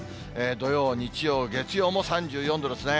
土曜、日曜、月曜も３４度ですね。